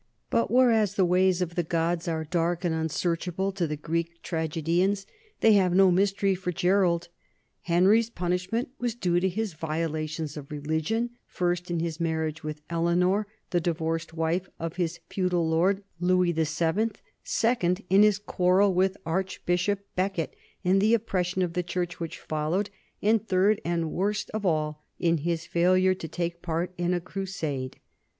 But whereas the ways of the gods are dark and un searchable to the Greek tragedians, they have no mys tery for Gerald. Henry's punishment was due to his violations of religion, first in his marriage with Eleanor, the divorced wife of his feudal lord Louis VII, second in his quarrel with Archbishop Becket and the oppression of the church which followed, and third and worst of all, in his failure to take part in a crusade.